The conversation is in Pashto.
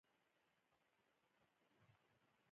د پوهاوي پروګرامونه د خلکو ذهنیت بدلوي.